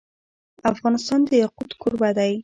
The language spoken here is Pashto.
افغانستان د یاقوت کوربه دی.